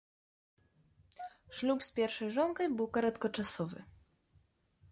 Шлюб з першай жонкай быў кароткачасовы.